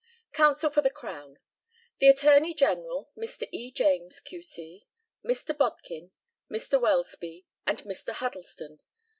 Counsel for the Crown: The Attorney General, Mr. E. James, Q.C., Mr. Bodkin, Mr. Welsby, and Mr. Huddleston.